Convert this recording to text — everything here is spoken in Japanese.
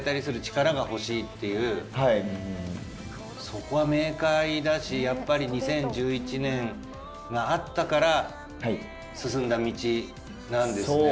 そこは明快だしやっぱり２０１１年があったから進んだ道なんですね。